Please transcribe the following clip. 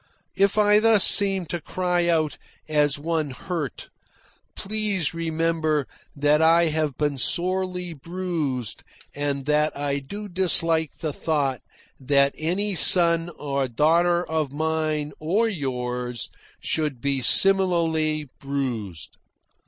If I thus seem to cry out as one hurt, please remember that I have been sorely bruised and that I do dislike the thought that any son or daughter of mine or yours should be similarly bruised.